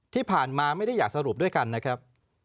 ที่ผ่านมาไม่ได้อยากสรุปด้วยกันนะครับ